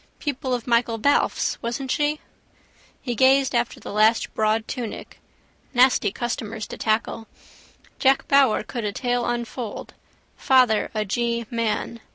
Pupil of Michael Balfe's, wasn't she? He gazed after the last broad tunic. Nasty customers to tackle. Jack Power could a tale unfold: father a G man.